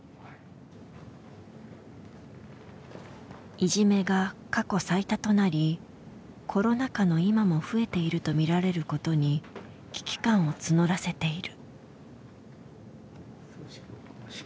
いじめが過去最多となりコロナ禍の今も増えているとみられることに危機感を募らせている。